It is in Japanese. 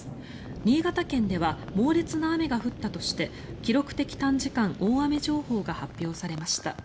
新潟県では猛烈な雨が降ったとして記録的短時間大雨情報が発表されました。